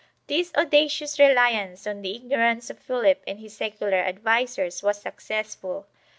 1 This audacious reliance on the igno rance of Philip and his secular advisers was successful.